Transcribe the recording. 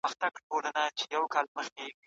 افغانستان اوس د کرکټ د بشپړ غړیتوب لرونکی هېواد دی.